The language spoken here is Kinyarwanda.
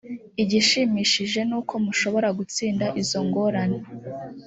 igishimishije ni uko mushobora gutsinda izo ngorane